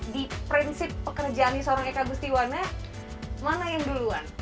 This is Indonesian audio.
di prinsip pekerjaan seorang eka gustiwana mana yang duluan